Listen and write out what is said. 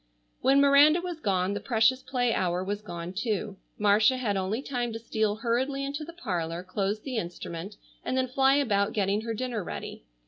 When Miranda was gone the precious play hour was gone too. Marcia had only time to steal hurriedly into the parlor, close the instrument, and then fly about getting her dinner ready.